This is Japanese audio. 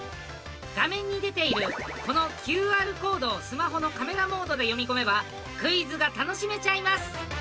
画面に出ているこのＱＲコードをスマホのカメラモードで読み込めばクイズが楽しめちゃいます！